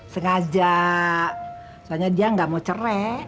sengaja soalnya dia nggak mau cerai